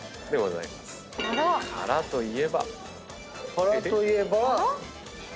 殻といえば。